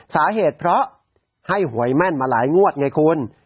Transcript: สาเหตุเพราะให้หวยแม่นมาหลายงวดไงคุณ